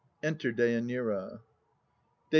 Enter DÊANIRA. DÊ.